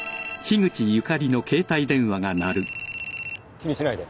気にしないで。